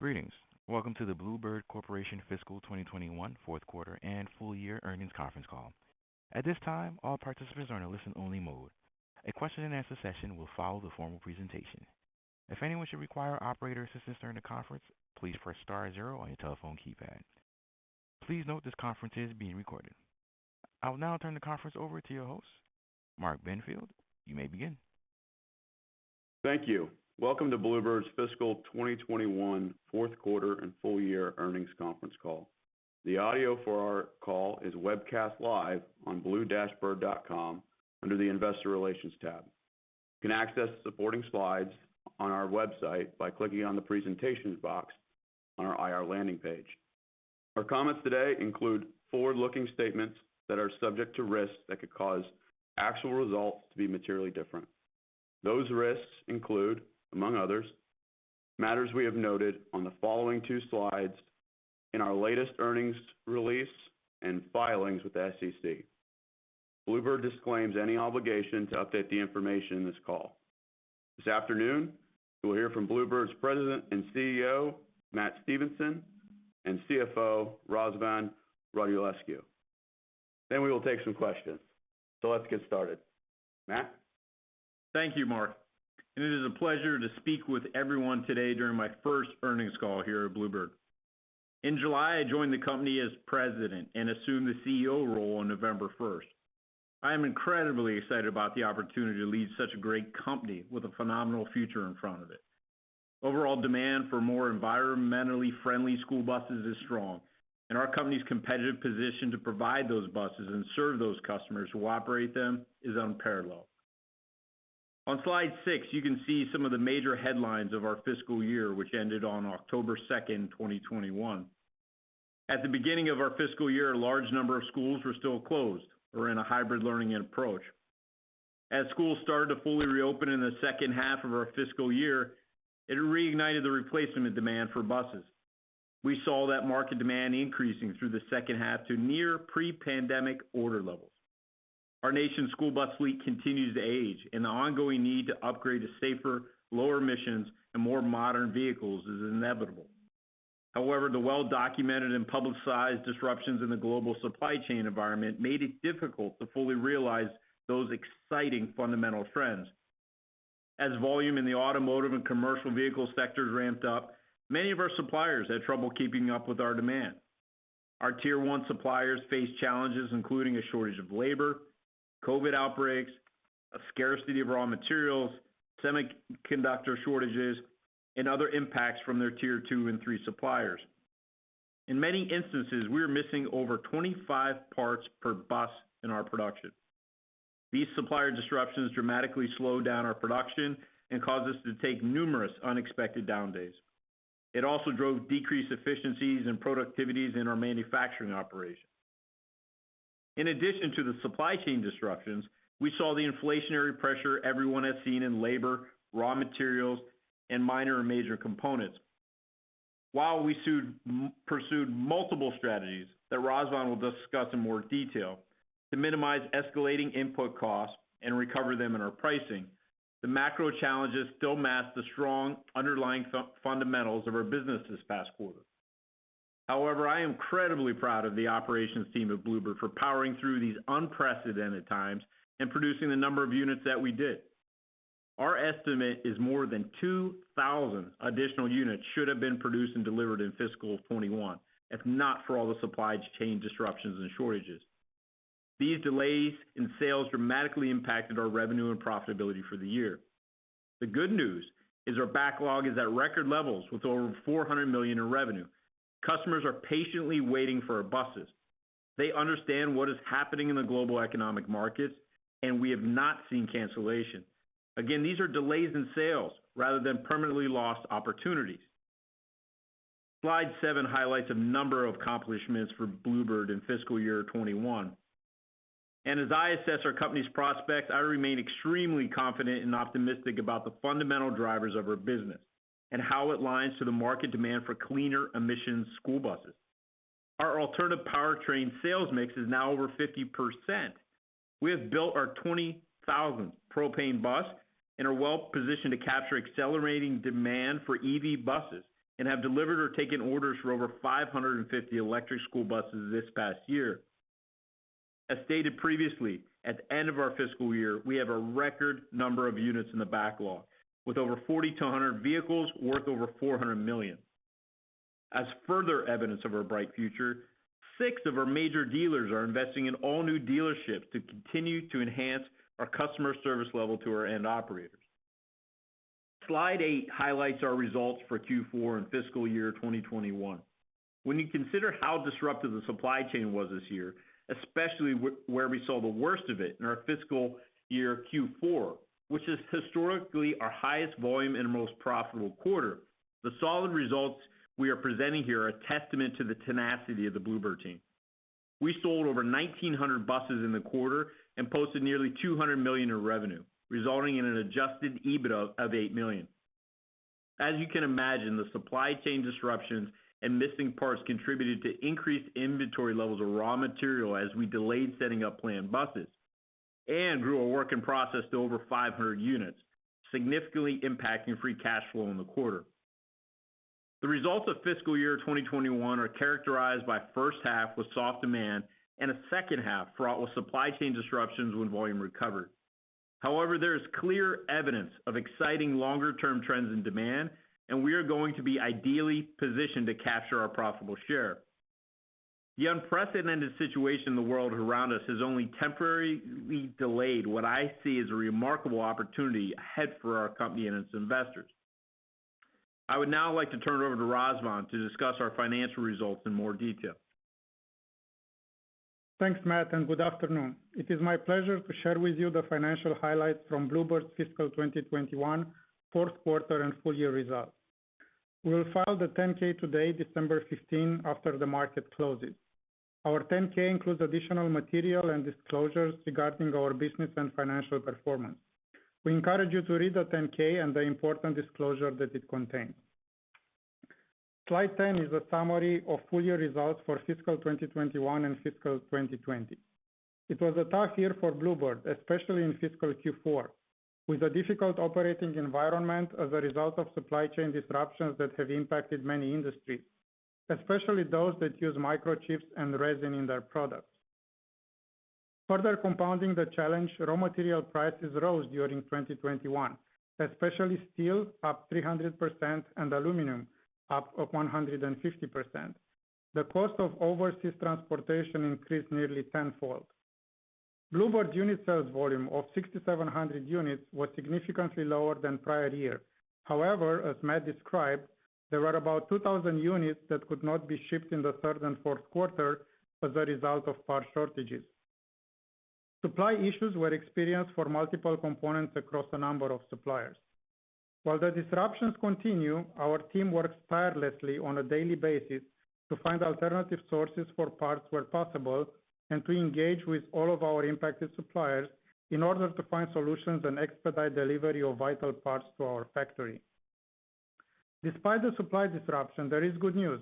Greetings. Welcome to the Blue Bird Corporation Fiscal 2021 Q4 and Full Year Earnings Conference Call. At this time, all participants are in a listen-only mode. A question-and-answer session will follow the formal presentation. If anyone should require operator assistance during the conference, please press star zero on your telephone keypad. Please note this conference is being recorded. I will now turn the conference over to your host, Mark Benfield. You may begin. Thank you. Welcome to Blue Bird's Fiscal 2021 Q4 and Full Year Earnings Conference Call. The audio for our call is webcast live on blue-bird.com under the Investor Relations tab. You can access supporting slides on our website by clicking on the Presentations box on our IR landing page. Our comments today include forward-looking statements that are subject to risks that could cause actual results to be materially different. Those risks include, among others, matters we have noted on the following two slides in our latest earnings release and filings with the SEC. Blue Bird disclaims any obligation to update the information in this call. This afternoon, you will hear from Blue Bird's President and CEO, Matt Stevenson, and CFO, Razvan Radulescu. We will take some questions. Let's get started. Matt? Thank you, Mark, and it is a pleasure to speak with everyone today during my first earnings call here at Blue Bird. In July, I joined the company as President and assumed the CEO role on November 1st. I am incredibly excited about the opportunity to lead such a great company with a phenomenal future in front of it. Overall demand for more environmentally friendly school buses is strong, and our company's competitive position to provide those buses and serve those customers who operate them is unparalleled. On slide 6, you can see some of the major headlines of our fiscal year, which ended on October 2, 2021. At the beginning of our fiscal year, a large number of schools were still closed or in a hybrid learning approach. As schools started to fully reopen in the H2 of our fiscal year, it reignited the replacement demand for buses. We saw that market demand increasing through the H2 to near pre-pandemic order levels. Our nation's school bus fleet continues to age, and the ongoing need to upgrade to safer, lower emissions, and more modern vehicles is inevitable. However, the well-documented and publicized disruptions in the global supply chain environment made it difficult to fully realize those exciting fundamental trends. As volume in the automotive and commercial vehicle sectors ramped up, many of our suppliers had trouble keeping up with our demand. Our Tier 1 suppliers faced challenges, including a shortage of labor, COVID outbreaks, a scarcity of raw materials, semiconductor shortages, and other impacts from their Tier 2 and 3 suppliers. In many instances, we were missing over 25 parts per bus in our production. These supplier disruptions dramatically slowed down our production and caused us to take numerous unexpected down days. It also drove decreased efficiencies and productivities in our manufacturing operations. In addition to the supply chain disruptions, we saw the inflationary pressure everyone has seen in labor, raw materials, and minor and major components. While we pursued multiple strategies that Razvan will discuss in more detail to minimize escalating input costs and recover them in our pricing, the macro challenges still masked the strong underlying fundamentals of our business this past quarter. However, I am incredibly proud of the operations team at Blue Bird for powering through these unprecedented times and producing the number of units that we did. Our estimate is more than 2,000 additional units should have been produced and delivered in fiscal 2021 if not for all the supply chain disruptions and shortages. These delays in sales dramatically impacted our revenue and profitability for the year. The good news is our backlog is at record levels with over $400 million in revenue. Customers are patiently waiting for our buses. They understand what is happening in the global economic markets, and we have not seen cancellations. Again, these are delays in sales rather than permanently lost opportunities. Slide 7 highlights a number of accomplishments for Blue Bird in fiscal year 2021. As I assess our company's prospects, I remain extremely confident and optimistic about the fundamental drivers of our business and how it aligns to the market demand for cleaner emissions school buses. Our alternative powertrain sales mix is now over 50%. We have built our 20,000th propane bus and are well-positioned to capture accelerating demand for EV buses and have delivered or taken orders for over 550 electric school buses this past year. As stated previously, at the end of our fiscal year, we have a record number of units in the backlog, with over 4,200 vehicles worth over $400 million. As further evidence of our bright future, six of our major dealers are investing in all-new dealerships to continue to enhance our customer service level to our end operators. Slide 8 highlights our results for Q4 and fiscal year 2021. When you consider how disruptive the supply chain was this year, especially where we saw the worst of it in our fiscal year Q4, which is historically our highest volume and most profitable quarter, the solid results we are presenting here are a testament to the tenacity of the Blue Bird team. We sold over 1,900 buses in the quarter and posted nearly $200 million in revenue, resulting in an adjusted EBITDA of $8 million. As you can imagine, the supply chain disruptions and missing parts contributed to increased inventory levels of raw material as we delayed setting up planned buses and grew a work in process to over 500 units, significantly impacting free cash flow in the quarter. The results of fiscal year 2021 are characterized by H1 with soft demand and a H2 fraught with supply chain disruptions when volume recovered. However, there is clear evidence of exciting longer-term trends in demand, and we are going to be ideally positioned to capture our profitable share. The unprecedented situation in the world around us has only temporarily delayed what I see as a remarkable opportunity ahead for our company and its investors. I would now like to turn it over to Razvan to discuss our financial results in more detail. Thanks, Matt, and good afternoon. It is my pleasure to share with you the financial highlights from Blue Bird's fiscal 2021 Q4 and full year results. We'll file the 10-K today, December 15, after the market closes. Our 10-K includes additional material and disclosures regarding our business and financial performance. We encourage you to read the 10-K and the important disclosure that it contains. Slide 10 is a summary of full year results for fiscal 2021 and fiscal 2020. It was a tough year for Blue Bird, especially in fiscal Q4, with a difficult operating environment as a result of supply chain disruptions that have impacted many industries, especially those that use microchips and resin in their products. Further compounding the challenge, raw material prices rose during 2021, especially steel, up 300%, and aluminum up 150%. The cost of overseas transportation increased nearly tenfold. Blue Bird unit sales volume of 6,700 units was significantly lower than prior year. However, as Matt described, there were about 2,000 units that could not be shipped in the third and Q4 as a result of parts shortages. Supply issues were experienced for multiple components across a number of suppliers. While the disruptions continue, our team works tirelessly on a daily basis to find alternative sources for parts where possible and to engage with all of our impacted suppliers in order to find solutions and expedite delivery of vital parts to our factory. Despite the supply disruption, there is good news.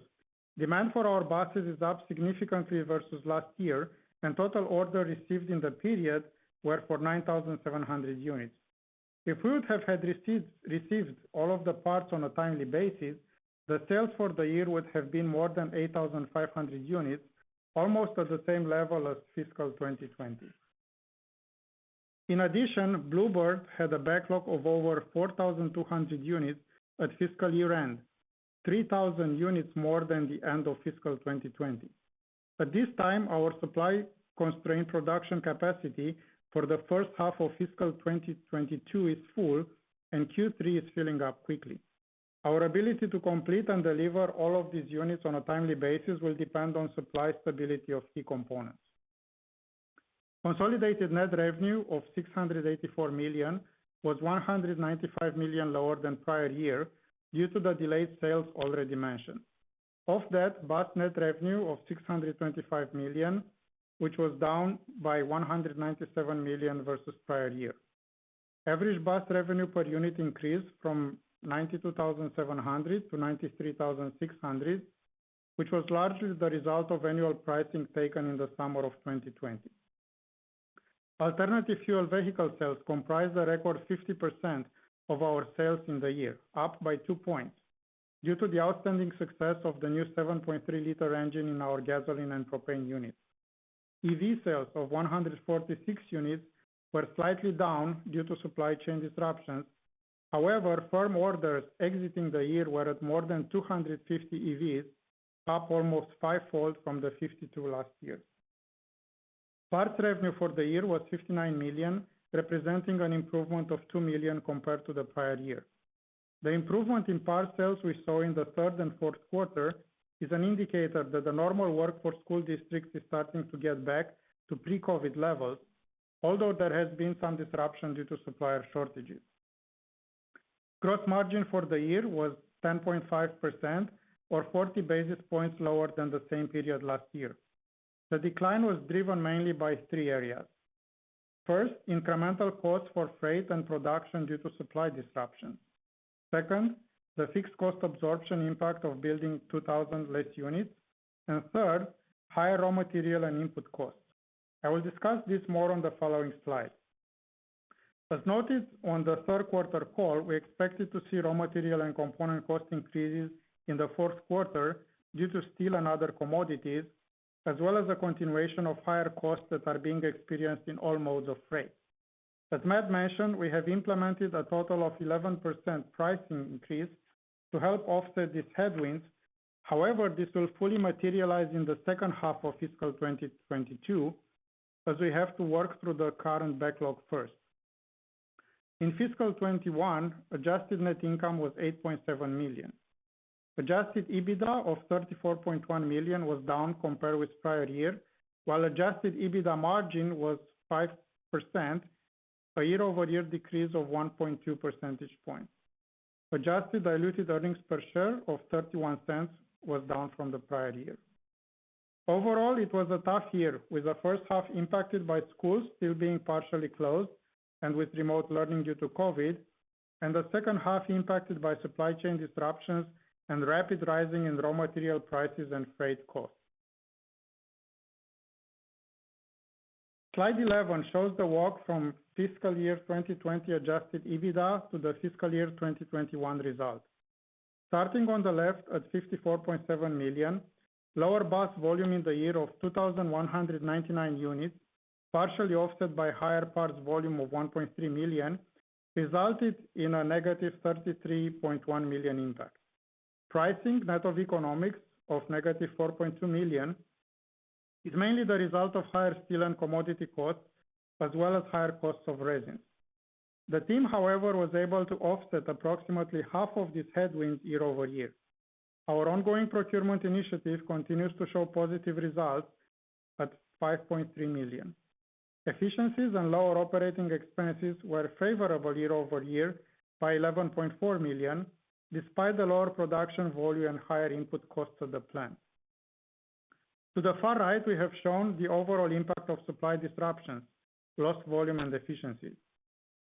Demand for our buses is up significantly versus last year, and total orders received in the period were for 9,700 units. If we would have had received all of the parts on a timely basis, the sales for the year would have been more than 8,500 units, almost at the same level as fiscal 2020. In addition, Blue Bird had a backlog of over 4,200 units at fiscal year-end, 3,000 units more than the end of fiscal 2020. At this time, our supply-constrained production capacity for the H1 of fiscal 2022 is full, and Q3 is filling up quickly. Our ability to complete and deliver all of these units on a timely basis will depend on supply stability of key components. Consolidated net revenue of $684 million was $195 million lower than prior year due to the delayed sales already mentioned. Of that, bus net revenue of $625 million, which was down by $197 million versus prior year. Average bus revenue per unit increased from $92,700 to $93,600, which was largely the result of annual pricing taken in the summer of 2020. Alternative fuel vehicle sales comprised a record 50% of our sales in the year, up by two points due to the outstanding success of the new 7.3 L engine in our gasoline and propane units. EV sales of 146 units were slightly down due to supply chain disruptions. However, firm orders exiting the year were at more than 250 EVs, up almost five-fold from the 52 last year. Parts revenue for the year was $59 million, representing an improvement of $2 million compared to the prior year. The improvement in parts sales we saw in the third and Q4 is an indicator that the normal work for school districts is starting to get back to pre-COVID levels, although there has been some disruption due to supplier shortages. Gross margin for the year was 10.5% or 40 basis points lower than the same period last year. The decline was driven mainly by three areas. First, incremental costs for freight and production due to supply disruptions. Second, the fixed cost absorption impact of building 2,000 less units. Third, higher raw material and input costs. I will discuss this more on the following slide. As noted on the Q3 call, we expected to see raw material and component cost increases in the Q4 due to steel and other commodities, as well as a continuation of higher costs that are being experienced in all modes of freight. As Matt mentioned, we have implemented a total of 11% pricing increase to help offset these headwinds. However, this will fully materialize in the H2 of fiscal 2022, as we have to work through the current backlog first. In fiscal 2021, adjusted net income was $8.7 million. Adjusted EBITDA of $34.1 million was down compared with prior year, while adjusted EBITDA margin was 5%, a year-over-year decrease of 1.2 percentage points. Adjusted diluted earnings per share of $0.31 was down from the prior year. Overall, it was a tough year with the H1 impacted by schools still being partially closed and with remote learning due to COVID. The H2 impacted by supply chain disruptions and rapid rising in raw material prices and freight costs. Slide 11 shows the walk from fiscal year 2020 adjusted EBITDA to the fiscal year 2021 results. Starting on the left at $54.7 million, lower bus volume in the year of 2,199 units, partially offset by higher parts volume of $1.3 million, resulted in a negative $33.1 million impact. Pricing net of economics of negative $4.2 million is mainly the result of higher steel and commodity costs as well as higher costs of resins. The team, however, was able to offset approximately half of these headwinds year-over-year. Our ongoing procurement initiative continues to show positive results at $5.3 million. Efficiencies and lower operating expenses were favorable year-over-year by $11.4 million, despite the lower production volume and higher input costs to the plant. To the far right, we have shown the overall impact of supply disruptions, lost volume and efficiencies.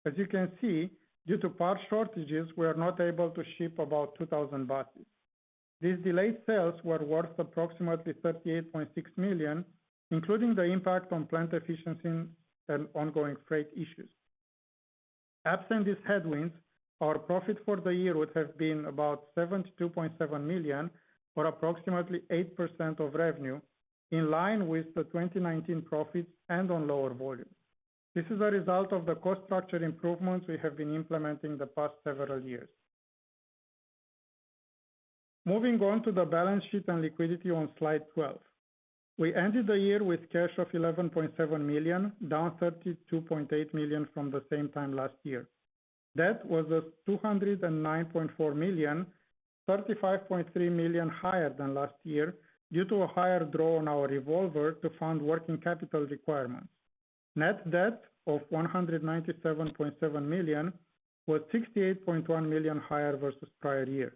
As you can see, due to parts shortages, we are not able to ship about 2,000 buses. These delayed sales were worth approximately $38.6 million, including the impact on plant efficiency and ongoing freight issues. Absent these headwinds, our profit for the year would have been about $72.7 million or approximately 8% of revenue in line with the 2019 profits and on lower volumes. This is a result of the cost structure improvements we have been implementing the past several years. Moving on to the balance sheet and liquidity on slide 12. We ended the year with cash of $11.7 million, down $32.8 million from the same time last year. Debt was at $209.4 million, $35.3 million higher than last year due to a higher draw on our revolver to fund working capital requirements. Net debt of $197.7 million was $68.1 million higher versus prior years.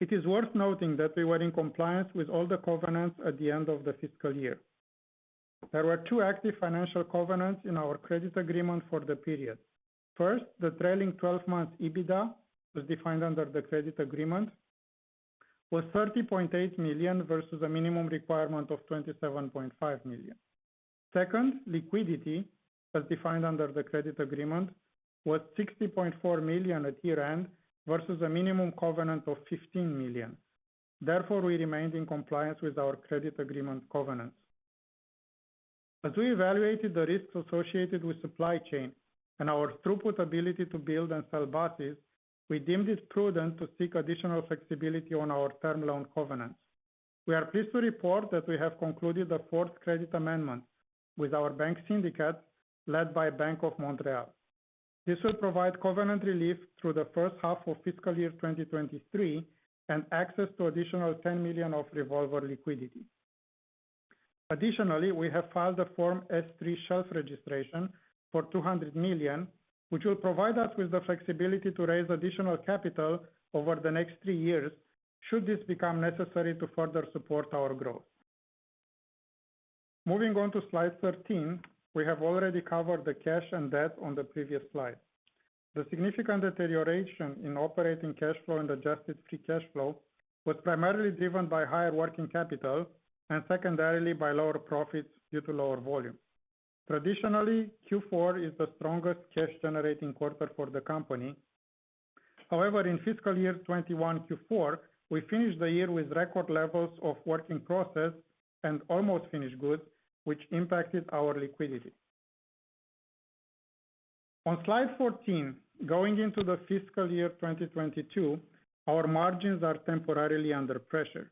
It is worth noting that we were in compliance with all the covenants at the end of the fiscal year. There were two active financial covenants in our credit agreement for the period. First, the trailing 12 months EBITDA was defined under the credit agreement, was $30.8 million versus a minimum requirement of $27.5 million. Second, liquidity, as defined under the credit agreement, was $60.4 million at year-end versus a minimum covenant of $15 million. Therefore, we remained in compliance with our credit agreement covenants. As we evaluated the risks associated with supply chain and our throughput ability to build and sell buses, we deemed it prudent to seek additional flexibility on our term loan covenants. We are pleased to report that we have concluded the fourth credit amendment with our bank syndicate led by Bank of Montreal. This will provide covenant relief through the H1 of fiscal year 2023 and access to additional $10 million of revolver liquidity. Additionally, we have filed a Form S-3 shelf registration for $200 million, which will provide us with the flexibility to raise additional capital over the next three years should this become necessary to further support our growth. Moving on to slide 13. We have already covered the cash and debt on the previous slide. The significant deterioration in operating cash flow and adjusted free cash flow was primarily driven by higher working capital and secondarily by lower profits due to lower volume. Traditionally, Q4 is the strongest cash-generating quarter for the company. However, in fiscal year 2021 Q4, we finished the year with record levels of work in process and almost finished goods, which impacted our liquidity. On slide 14, going into the fiscal year 2022, our margins are temporarily under pressure.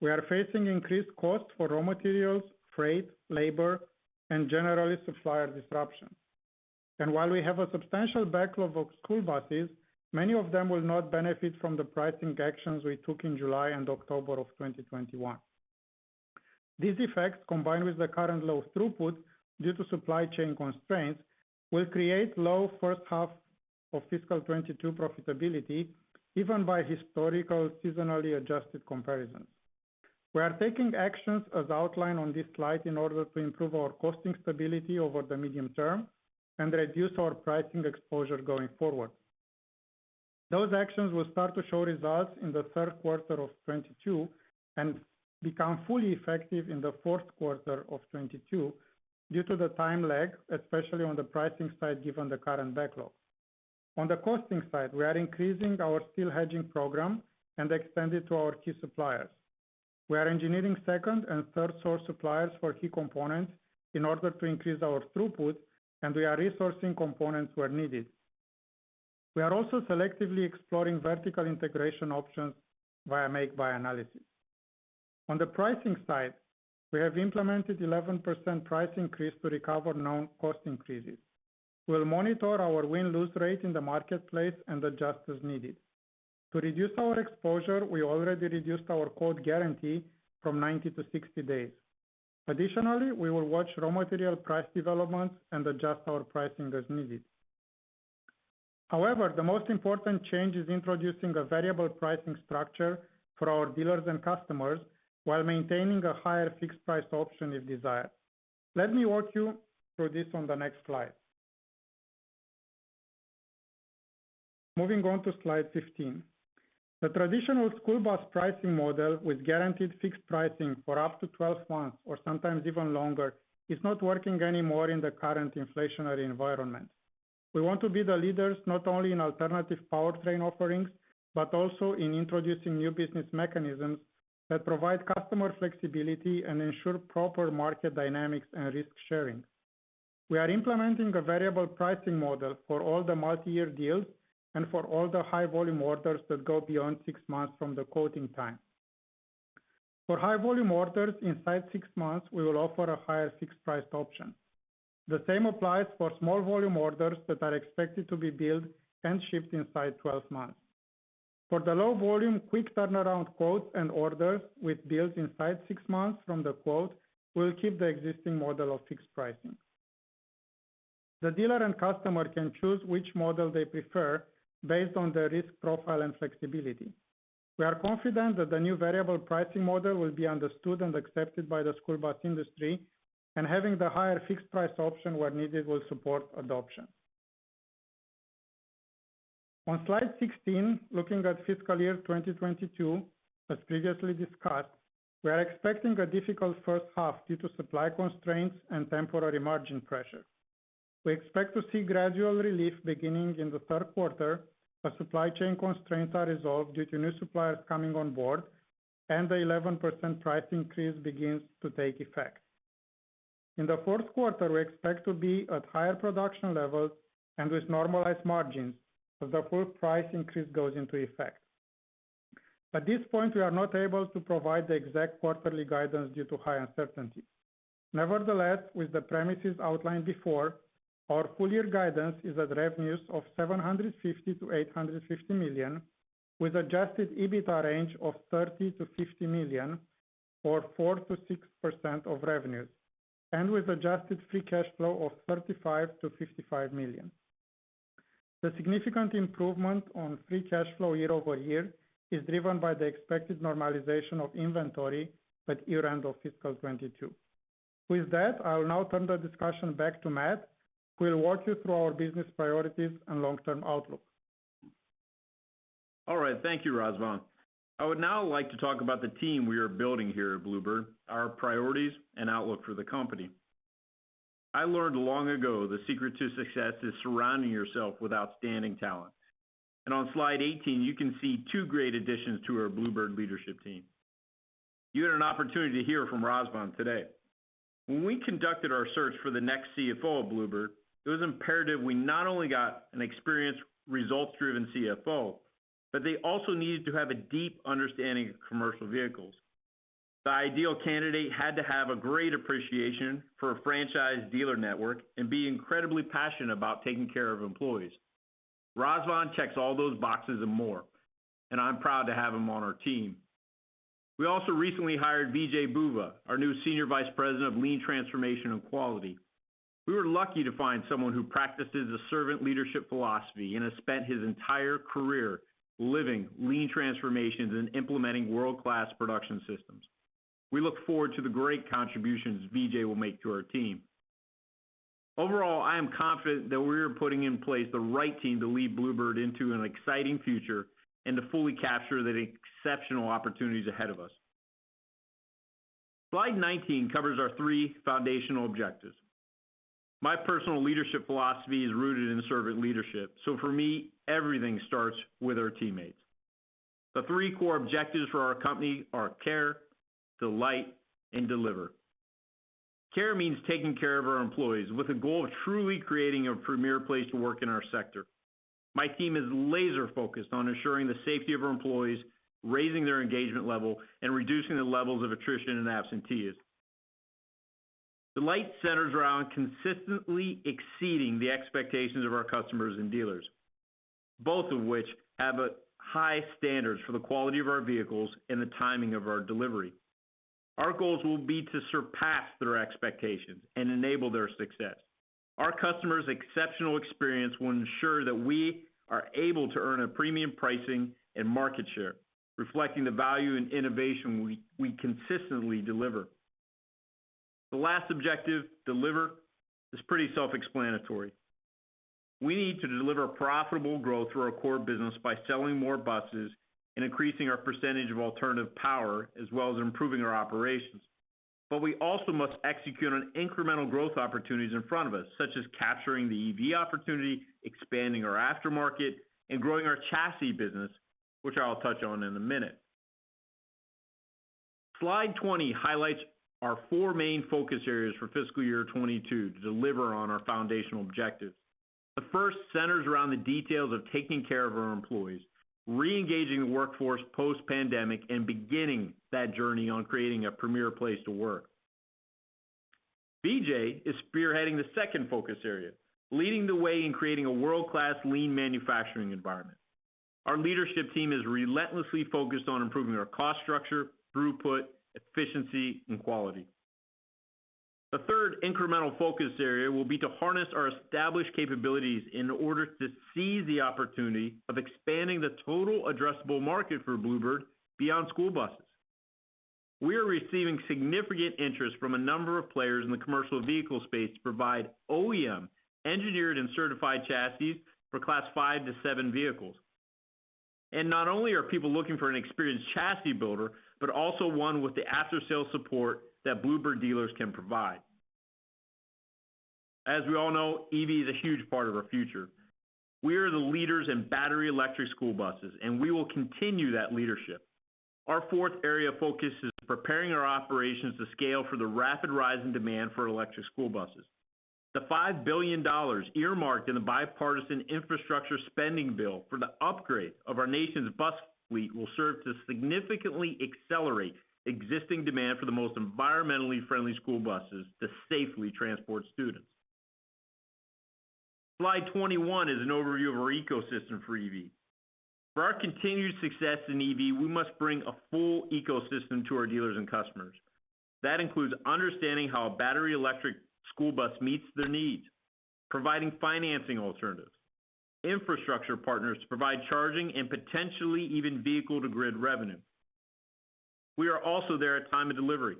We are facing increased costs for raw materials, freight, labor, and generally supplier disruptions. While we have a substantial backlog of school buses, many of them will not benefit from the pricing actions we took in July and October of 2021. These effects, combined with the current low throughput due to supply chain constraints, will create low H1 of fiscal 2022 profitability, even by historical seasonally adjusted comparisons. We are taking actions as outlined on this slide in order to improve our costing stability over the medium term and reduce our pricing exposure going forward. Those actions will start to show results in the Q3 of 2022 and become fully effective in the Q4 of 2022 due to the time lag, especially on the pricing side, given the current backlog. On the costing side, we are increasing our steel hedging program and extend it to our key suppliers. We are engineering second and third-source suppliers for key components in order to increase our throughput, and we are resourcing components where needed. We are also selectively exploring vertical integration options via make buy analysis. On the pricing side, we have implemented 11% price increase to recover known cost increases. We'll monitor our win-lose rate in the marketplace and adjust as needed. To reduce our exposure, we already reduced our quote guarantee from 90 to 60 days. Additionally, we will watch raw material price developments and adjust our pricing as needed. However, the most important change is introducing a variable pricing structure for our dealers and customers while maintaining a higher fixed price option if desired. Let me walk you through this on the next slide. Moving on to slide 15. The traditional school bus pricing model with guaranteed fixed pricing for up to 12 months or sometimes even longer, is not working anymore in the current inflationary environment. We want to be the leaders, not only in alternative powertrain offerings, but also in introducing new business mechanisms that provide customer flexibility and ensure proper market dynamics and risk sharing. We are implementing a variable pricing model for all the multi-year deals and for all the high volume orders that go beyond six months from the quoting time. For high volume orders inside six months, we will offer a higher fixed priced option. The same applies for small volume orders that are expected to be built and shipped inside 12 months. For the low volume, quick turnaround quotes and orders with builds inside six months from the quote, we'll keep the existing model of fixed pricing. The dealer and customer can choose which model they prefer based on their risk profile and flexibility. We are confident that the new variable pricing model will be understood and accepted by the school bus industry, and having the higher fixed price option where needed will support adoption. On slide 16, looking at fiscal year 2022, as previously discussed, we are expecting a difficult H1 due to supply constraints and temporary margin pressures. We expect to see gradual relief beginning in the Q3 as supply chain constraints are resolved due to new suppliers coming on board, and the 11% price increase begins to take effect. In the Q4, we expect to be at higher production levels and with normalized margins as the full price increase goes into effect. At this point, we are not able to provide the exact quarterly guidance due to high uncertainty. Nevertheless, with the premises outlined before, our full-year guidance is at revenues of $750 million to $850 million, with adjusted EBITDA range of $30 million to $50 million or 4% to 6% of revenues, and with adjusted free cash flow of $35 million to $55 million. The significant improvement on free cash flow year-over-year is driven by the expected normalization of inventory at year-end of fiscal 2022. With that, I will now turn the discussion back to Matt, who will walk you through our business priorities and long-term outlook. All right. Thank you, Razvan. I would now like to talk about the team we are building here at Blue Bird, our priorities and outlook for the company. I learned long ago the secret to success is surrounding yourself with outstanding talent. On slide 18, you can see two great additions to our Blue Bird leadership team. You had an opportunity to hear from Razvan today. When we conducted our search for the next CFO of Blue Bird, it was imperative we not only got an experienced, results-driven CFO, but they also needed to have a deep understanding of commercial vehicles. The ideal candidate had to have a great appreciation for a franchise dealer network and be incredibly passionate about taking care of employees. Razvan checks all those boxes and more, and I'm proud to have him on our team. We also recently hired Vijay Boova, our new Senior Vice President of Lean Transformation and Quality. We were lucky to find someone who practices a servant leadership philosophy and has spent his entire career living lean transformations and implementing world-class production systems. We look forward to the great contributions Vijay will make to our team. Overall, I am confident that we are putting in place the right team to lead Blue Bird into an exciting future and to fully capture the exceptional opportunities ahead of us. Slide 19 covers our three foundational objectives. My personal leadership philosophy is rooted in servant leadership, so for me, everything starts with our teammates. The three core objectives for our company are care, delight, and deliver. Care means taking care of our employees with a goal of truly creating a premier place to work in our sector. My team is laser focused on ensuring the safety of our employees, raising their engagement level, and reducing the levels of attrition and absenteeism. Delight centers around consistently exceeding the expectations of our customers and dealers, both of which have a high standards for the quality of our vehicles and the timing of our delivery. Our goals will be to surpass their expectations and enable their success. Our customers' exceptional experience will ensure that we are able to earn a premium pricing and market share, reflecting the value and innovation we consistently deliver. The last objective, deliver, is pretty self-explanatory. We need to deliver profitable growth through our core business by selling more buses and increasing our percentage of alternative power, as well as improving our operations. We also must execute on incremental growth opportunities in front of us, such as capturing the EV opportunity, expanding our aftermarket, and growing our chassis business, which I'll touch on in a minute. Slide 20 highlights our four main focus areas for fiscal year 2022 to deliver on our foundational objectives. The first centers around the details of taking care of our employees, re-engaging the workforce post-pandemic, and beginning that journey on creating a premier place to work. Vijay is spearheading the second focus area, leading the way in creating a world-class lean manufacturing environment. Our leadership team is relentlessly focused on improving our cost structure, throughput, efficiency, and quality. The third incremental focus area will be to harness our established capabilities in order to seize the opportunity of expanding the total addressable market for Blue Bird beyond school buses. We are receiving significant interest from a number of players in the commercial vehicle space to provide OEM engineered and certified chassis for Class 5 to 7 vehicles. Not only are people looking for an experienced chassis builder, but also one with the after-sales support that Blue Bird dealers can provide. As we all know, EV is a huge part of our future. We are the leaders in battery electric school buses, and we will continue that leadership. Our fourth area of focus is preparing our operations to scale for the rapid rise in demand for electric school buses. The $5 billion earmarked in the bipartisan infrastructure spending bill for the upgrade of our nation's bus fleet will serve to significantly accelerate existing demand for the most environmentally friendly school buses to safely transport students. Slide 21 is an overview of our ecosystem for EV. For our continued success in EV, we must bring a full ecosystem to our dealers and customers. That includes understanding how a battery electric school bus meets their needs, providing financing alternatives, infrastructure partners to provide charging and potentially even vehicle-to-grid revenue. We are also there at time of delivery,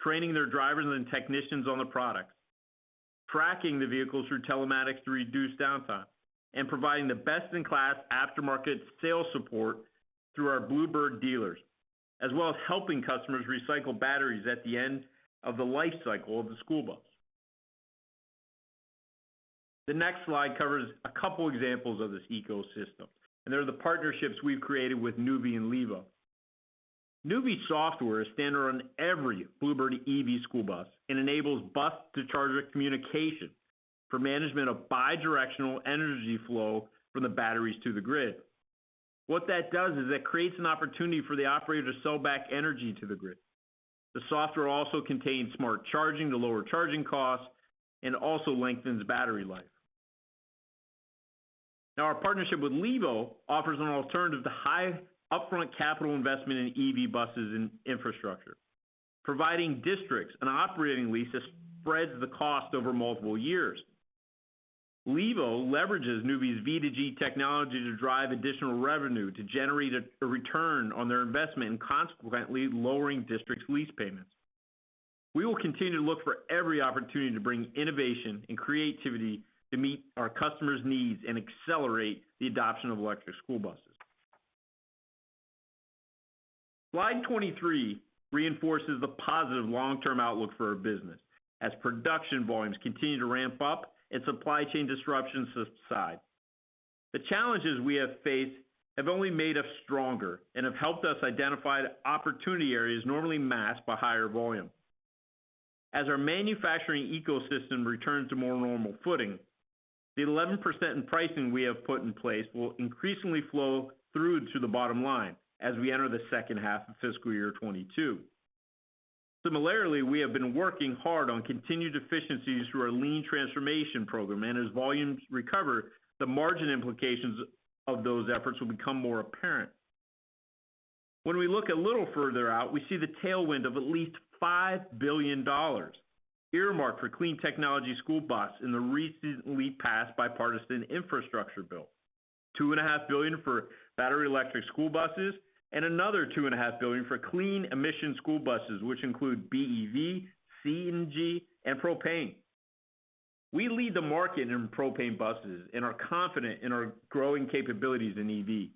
training their drivers and technicians on the products, tracking the vehicles through telematics to reduce downtime, and providing the best in class aftermarket sales support through our Blue Bird dealers, as well as helping customers recycle batteries at the end of the life cycle of the school bus. The next slide covers a couple examples of this ecosystem, and they're the partnerships we've created with Nuvve and Levo. Nuvve software is standard on every Blue Bird EV school bus and enables bus-to-charger communication for management of bidirectional energy flow from the batteries to the grid. What that does is it creates an opportunity for the operator to sell back energy to the grid. The software also contains smart charging to lower charging costs and also lengthens battery life. Now our partnership with Levo offers an alternative to high upfront capital investment in EV buses and infrastructure, providing districts an operating lease that spreads the cost over multiple years. Levo leverages Nuvve's V2G technology to drive additional revenue to generate a return on their investment and consequently lowering districts' lease payments. We will continue to look for every opportunity to bring innovation and creativity to meet our customers' needs and accelerate the adoption of electric school buses. Slide 23 reinforces the positive long-term outlook for our business as production volumes continue to ramp up and supply chain disruptions subside. The challenges we have faced have only made us stronger and have helped us identify the opportunity areas normally masked by higher volume. As our manufacturing ecosystem returns to more normal footing, the 11% in pricing we have put in place will increasingly flow through to the bottom line as we enter the H2 of fiscal year 2022. Similarly, we have been working hard on continued efficiencies through our Lean Transformation program, and as volumes recover, the margin implications of those efforts will become more apparent. When we look a little further out, we see the tailwind of at least $5 billion earmarked for clean technology school bus in the recently passed bipartisan infrastructure bill. $2.5 billion for battery electric school buses and another $2.5 billion for clean emission school buses, which include BEV, CNG, and propane. We lead the market in propane buses and are confident in our growing capabilities in EV.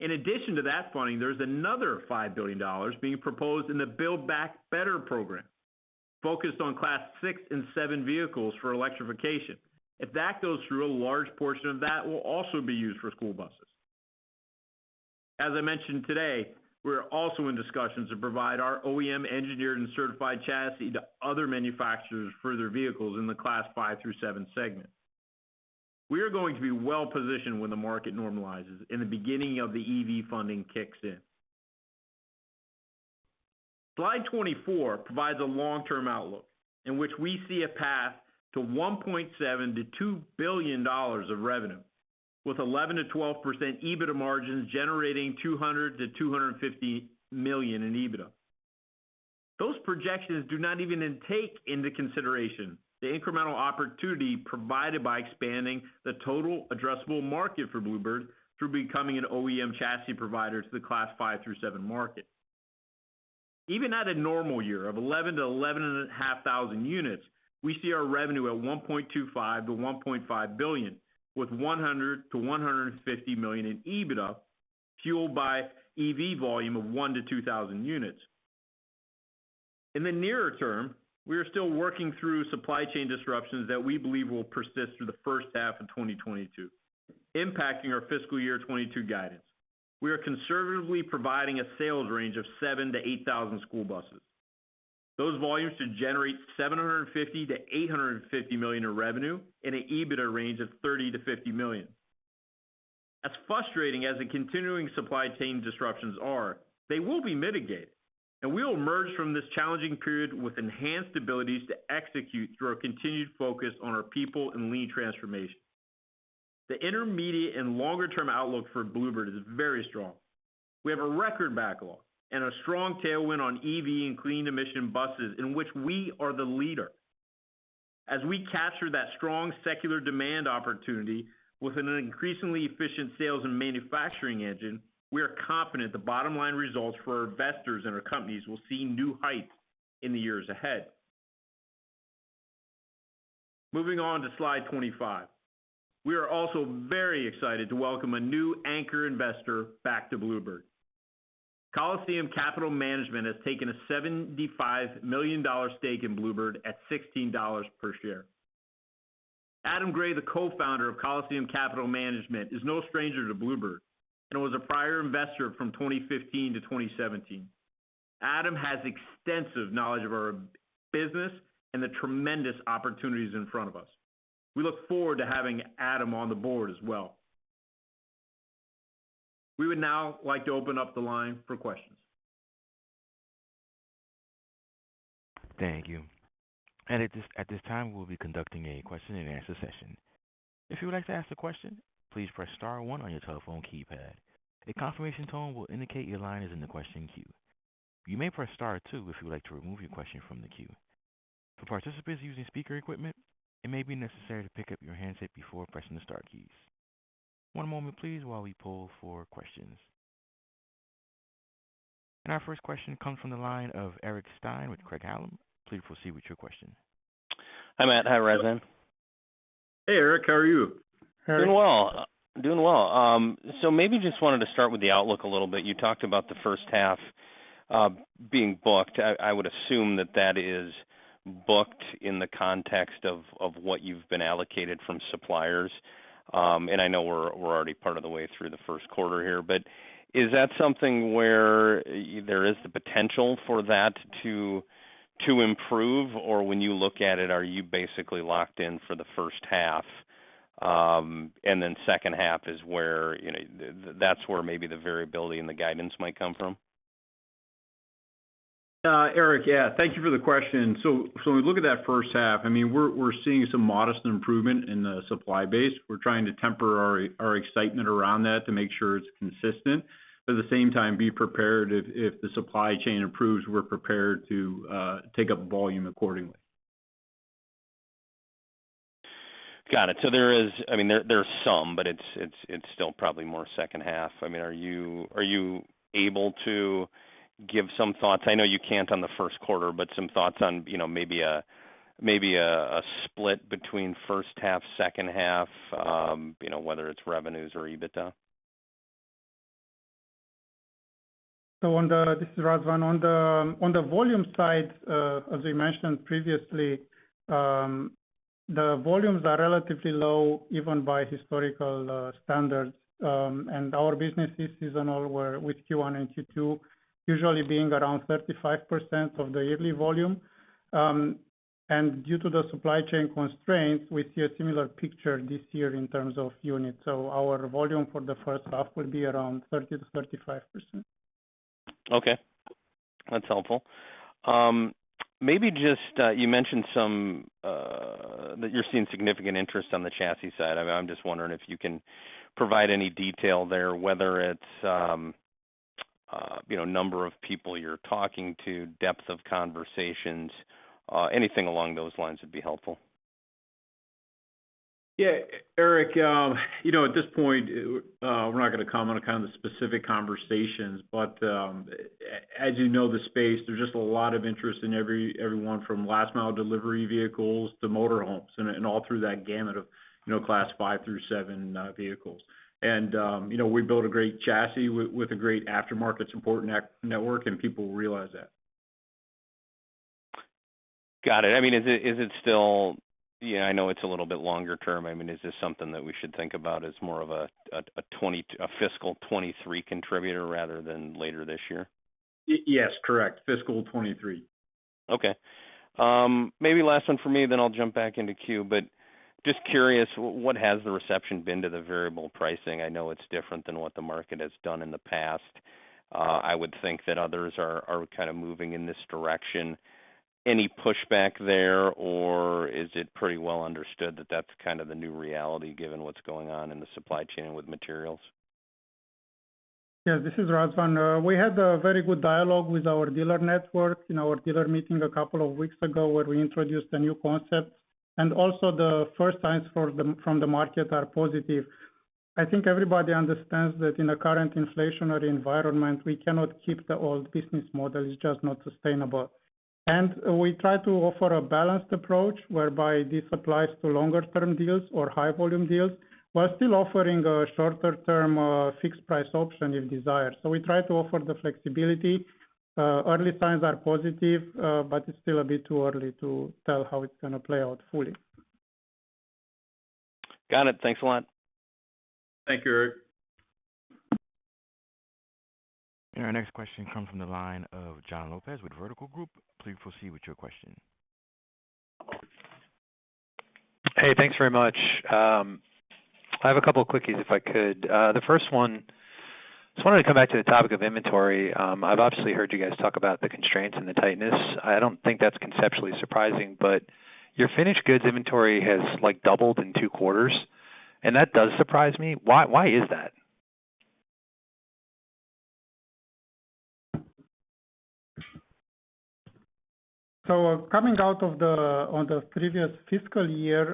In addition to that funding, there's another $5 billion being proposed in the Build Back Better program, focused on Class 6 and 7 vehicles for electrification. If that goes through, a large portion of that will also be used for school buses. As I mentioned today, we're also in discussions to provide our OEM engineered and certified chassis to other manufacturers for their vehicles in the Class 5 through 7 segment. We are going to be well-positioned when the market normalizes and the beginning of the EV funding kicks in. Slide 24 provides a long-term outlook in which we see a path to $1.7 billion to $2 billion of revenue, with 11%-12% EBITDA margins generating $200 million to $250 million in EBITDA. Those projections do not even then take into consideration the incremental opportunity provided by expanding the total addressable market for Blue Bird through becoming an OEM chassis provider to the Class 5 through 7 market. Even at a normal year of 11 to 11.5 thousand units, we see our revenue at $1.25 billion to $1.5 billion, with $100 million ti $150 million in EBITDA, fueled by EV volume of 1,000 to 2,000 units. In the nearer term, we are still working through supply chain disruptions that we believe will persist through the H1 of 2022, impacting our fiscal year 2022 guidance. We are conservatively providing a sales range of 7,000 to 8,000 school buses. Those volumes should generate $750 million to $850 million in revenue and an EBITDA range of $30 million to $50 million. As frustrating as the continuing supply chain disruptions are, they will be mitigated, and we will emerge from this challenging period with enhanced abilities to execute through our continued focus on our people and Lean Transformation. The intermediate and longer-term outlook for Blue Bird is very strong. We have a record backlog and a strong tailwind on EV and clean emission buses in which we are the leader. As we capture that strong secular demand opportunity with an increasingly efficient sales and manufacturing engine, we are confident the bottom line results for our investors and our companies will see new heights in the years ahead. Moving on to slide 25. We are also very excited to welcome a new anchor investor back to Blue Bird. Coliseum Capital Management has taken a $75 million stake in Blue Bird at $16 per share. Adam Gray, the co-founder of Coliseum Capital Management, is no stranger to Blue Bird and was a prior investor from 2015 to 2017. Adam has extensive knowledge of our business and the tremendous opportunities in front of us. We look forward to having Adam on the board as well. We would now like to open up the line for questions. Thank you. At this time, we'll be conducting a question and answer session. If you would like to ask a question, please press star one on your telephone keypad. A confirmation tone will indicate your line is in the question queue. You may press star two if you would like to remove your question from the queue. For participants using speaker equipment, it may be necessary to pick up your handset before pressing the star keys. One moment please while we pull for questions. Our first question comes from the line of Eric Stine with Craig-Hallum. Please proceed with your question. Hi, Matt. Hi, Razvan. Hey, Eric. How are you? Doing well. Maybe just wanted to start with the outlook a little bit. You talked about the H1 being booked. I would assume that is booked in the context of what you've been allocated from suppliers. I know we're already part of the way through the Q1 here, but is that something where there is the potential for that to improve? Or when you look at it, are you basically locked in for the H1, and then H2 is where, you know, that's where maybe the variability and the guidance might come from? Eric, yeah. Thank you for the question. When we look at that H1, I mean, we're seeing some modest improvement in the supply base. We're trying to temper our excitement around that to make sure it's consistent, but at the same time, be prepared if the supply chain improves, we're prepared to take up volume accordingly. Got it. I mean, there's some, but it's still probably more H2. I mean, are you able to give some thoughts? I know you can't on the Q1, but some thoughts on, you know, maybe a split between H1, H2, you know, whether it's revenues or EBITDA. This is Razvan. On the volume side, as we mentioned previously, the volumes are relatively low, even by historical standards, and our business is seasonal, where Q1 and Q2 usually being around 35% of the yearly volume. Due to the supply chain constraints, we see a similar picture this year in terms of units. Our volume for the H1 will be around 30% to 35%. Okay. That's helpful. Maybe just, you mentioned some that you're seeing significant interest on the chassis side. I'm just wondering if you can provide any detail there, whether it's, you know, number of people you're talking to, depth of conversations, anything along those lines would be helpful. Yeah. Eric, you know, at this point, we're not gonna comment on kind of the specific conversations, but, as you know, the space, there's just a lot of interest in everyone from last mile delivery vehicles to motor homes and all through that gamut of, you know, class 5 through 7 vehicles. We build a great chassis with a great aftermarket support network, and people realize that. Got it. I mean, is it still? Yeah, I know it's a little bit longer term. I mean, is this something that we should think about as more of a fiscal 2023 contributor rather than later this year? Yes, correct. Fiscal 2023. Okay. Maybe last one for me, then I'll jump back into queue. Just curious, what has the reception been to the variable pricing? I know it's different than what the market has done in the past. I would think that others are kind of moving in this direction. Any pushback there, or is it pretty well understood that that's kind of the new reality given what's going on in the supply chain with materials? Yeah, this is Razvan. We had a very good dialogue with our dealer network in our dealer meeting a couple of weeks ago, where we introduced a new concept. The first signs from the market are positive. I think everybody understands that in the current inflationary environment, we cannot keep the old business model. It's just not sustainable. We try to offer a balanced approach whereby this applies to longer term deals or high volume deals, while still offering a shorter term, fixed price option if desired. We try to offer the flexibility. Early signs are positive, but it's still a bit too early to tell how it's gonna play out fully. Got it. Thanks a lot. Thank you, Eric. Our next question comes from the line of Jon Lopez with Vertical Group. Please proceed with your question. Hey, thanks very much. I have a couple of quickies if I could. The first one, just wanted to come back to the topic of inventory. I've obviously heard you guys talk about the constraints and the tightness. I don't think that's conceptually surprising, but your finished goods inventory has, like, doubled in two quarters, and that does surprise me. Why is that? Coming out of the on the previous fiscal year,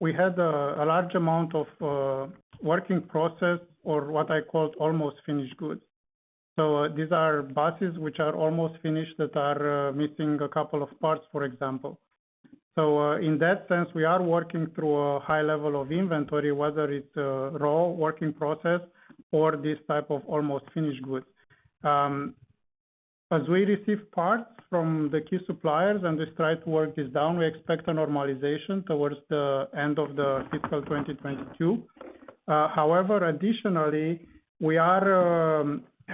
we had a large amount of work in process or what I called almost finished goods. These are buses which are almost finished that are missing a couple of parts, for example. In that sense, we are working through a high level of inventory, whether it's raw work in process or this type of almost finished goods. As we receive parts from the key suppliers and they try to work this down, we expect a normalization towards the end of the fiscal 2022. However, additionally, we are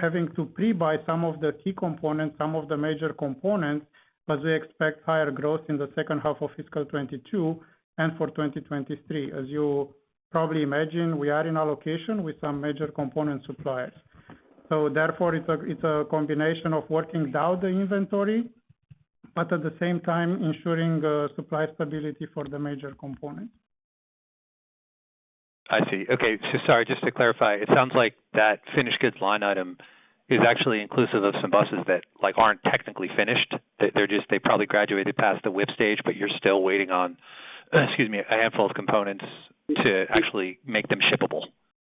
having to pre-buy some of the key components, some of the major components, as we expect higher growth in the H2 of fiscal 2022 and for 2023. As you probably imagine, we are in allocation with some major component suppliers. Therefore, it's a combination of working down the inventory, but at the same time ensuring supply stability for the major components. I see. Okay. Sorry, just to clarify, it sounds like that finished goods line item is actually inclusive of some buses that, like, aren't technically finished. They're just, they probably graduated past the WIP stage, but you're still waiting on, excuse me, a handful of components to actually make them shippable.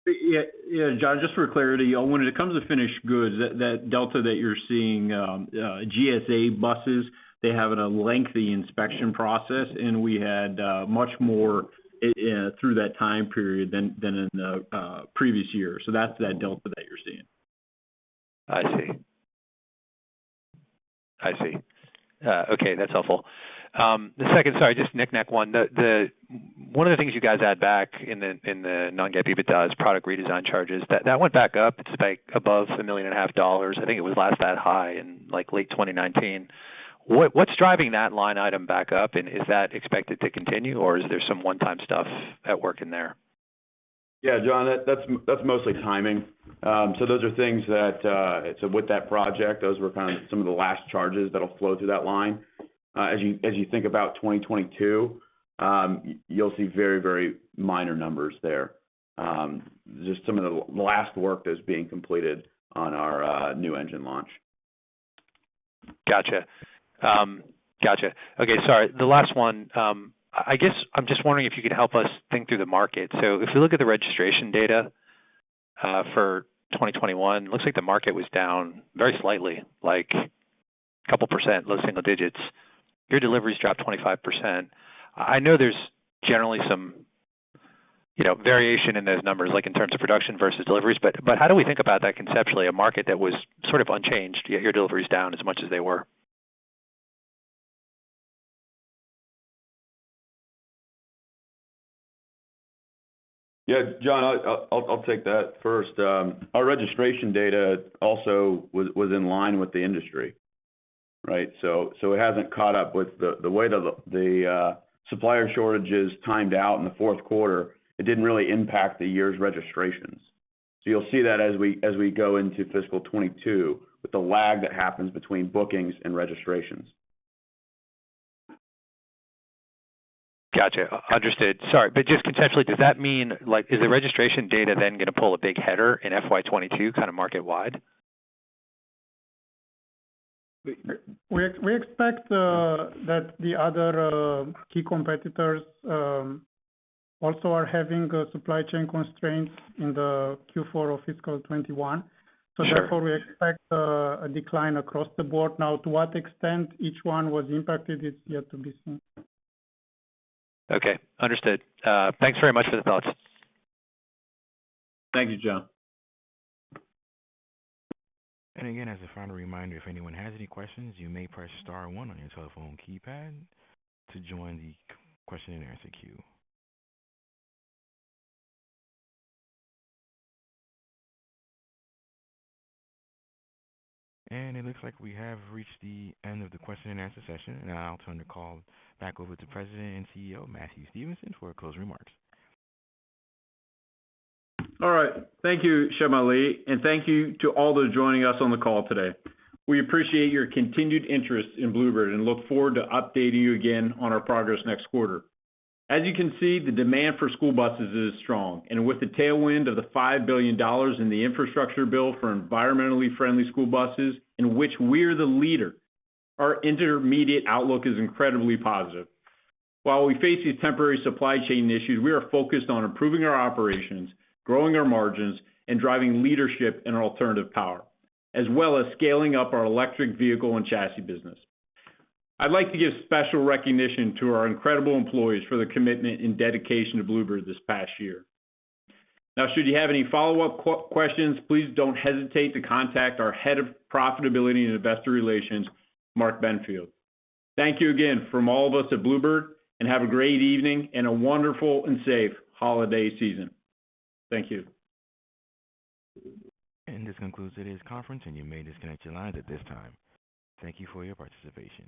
Yeah, Jon, just for clarity, when it comes to finished goods, that delta that you're seeing, GSA buses, they have a lengthy inspection process, and we had much more through that time period than in the previous year. So that's that delta that you're seeing. I see. Okay, that's helpful. The second, sorry, just a nitpick one. One of the things you guys add back in the non-GAAP EBITDA is product redesign charges. That went back up. It spiked above $1.5 million. I think it was last that high in, like, late 2019. What's driving that line item back up? And is that expected to continue, or is there some one-time stuff at work in there? Yeah, Jon, that's mostly timing. With that project, those were kind of some of the last charges that'll flow through that line. As you think about 2022, you'll see very, very minor numbers there. Just some of the last work that's being completed on our new engine launch. Got it. Okay. Sorry. The last one, I guess I'm just wondering if you could help us think through the market. If we look at the registration data, for 2021, looks like the market was down very slightly, like a couple percent, low single digits. Your deliveries dropped 25%. I know there's generally some, you know, variation in those numbers, like in terms of production versus deliveries, but how do we think about that conceptually, a market that was sort of unchanged, yet your delivery is down as much as they were? Yeah. Jon, I'll take that first. Our registration data also was in line with the industry, right? It hasn't caught up with the way the supplier shortages timed out in the Q4. It didn't really impact the year's registrations. You'll see that as we go into fiscal 2022, with the lag that happens between bookings and registrations. Got it. Understood. Sorry. Just conceptually, does that mean like is the registration data then going to pull a big headwind in FY 2022 kind of market wide? We expect that the other key competitors also are having a supply chain constraints in the Q4 of fiscal 2021. Sure. We expect a decline across the board. Now, to what extent each one was impacted is yet to be seen. Okay. Understood. Thanks very much for the thoughts. Thank you, Jon. Again, as a final reminder, if anyone has any questions, you may press star one on your telephone keypad to join the question and answer queue. It looks like we have reached the end of the question and answer session, and I'll turn the call back over to President and CEO, Matthew Stevenson, for closing remarks. All right. Thank you, Shamali, and thank you to all those joining us on the call today. We appreciate your continued interest in Blue Bird and look forward to updating you again on our progress next quarter. As you can see, the demand for school buses is strong, and with the tailwind of the $5 billion in the infrastructure bill for environmentally friendly school buses in which we're the leader, our intermediate outlook is incredibly positive. While we face these temporary supply chain issues, we are focused on improving our operations, growing our margins, and driving leadership in alternative power, as well as scaling up our electric vehicle and chassis business. I'd like to give special recognition to our incredible employees for their commitment and dedication to Blue Bird this past year. Now, should you have any follow-up questions, please don't hesitate to contact our Head of Profitability and Investor Relations, Mark Benfield. Thank you again from all of us at Blue Bird, and have a great evening and a wonderful and safe holiday season. Thank you. This concludes today's conference, and you may disconnect your line at this time. Thank you for your participation.